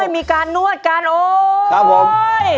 มีการนวดการโอครับผม